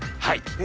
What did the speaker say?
はい。